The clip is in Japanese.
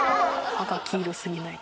歯が黄色すぎないと。